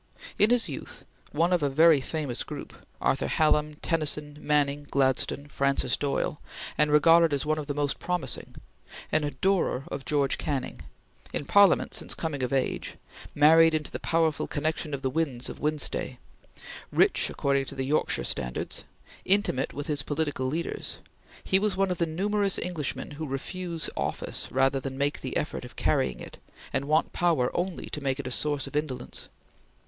In his youth one of a very famous group Arthur Hallam, Tennyson, Manning, Gladstone, Francis Doyle and regarded as one of the most promising; an adorer of George Canning; in Parliament since coming of age; married into the powerful connection of the Wynns of Wynstay; rich according to Yorkshire standards; intimate with his political leaders; he was one of the numerous Englishmen who refuse office rather than make the effort of carrying it, and want power only to make it a source of indolence.